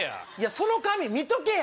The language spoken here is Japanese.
その紙見とけや！